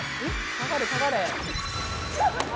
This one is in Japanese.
下がれ下がれ。